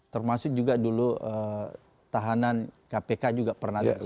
termasuk juga dulu tahanan kpk juga pernah ada